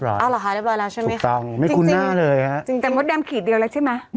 สวัสดีครับ